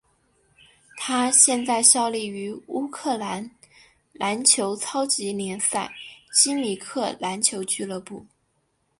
他现在效力于乌克兰篮球超级联赛基米克篮球俱乐部。